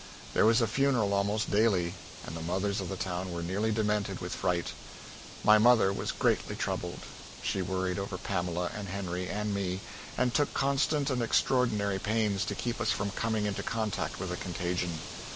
There was a funeral almost daily, and the mothers of the town were nearly demented with fright. My mother was greatly troubled. She worried over Pamela and Henry and me, and took constant and extraordinary pains to keep us from coming into contact with the contagion.